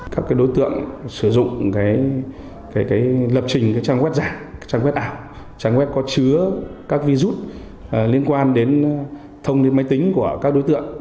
các đối tượng sử dụng lập trình trang web giả trang web ảo trang web có chứa các virus liên quan đến thông tin máy tính của các đối tượng